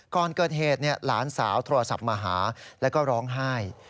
ก่อนเกิดเหตุหลานสาวโทรศัพท์มาหาแล้วก็ร้องไห้